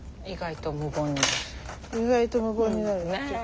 意外と無言になるよね。